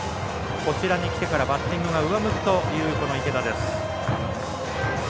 こちらに来てからバッティングが上向きという池田。